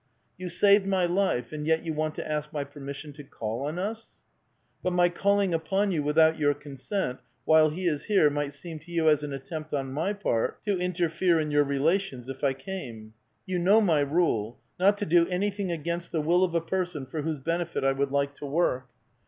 " You saved my life, and yet you want to ask my permis sion to call on us !"" But my calling upon you, without your consent, while he is here, might seem to you as an attempt, on my part, to interfere in your relations, if I came. You know my rule : not to do anything against the will of a person for whose benefit I would like to work."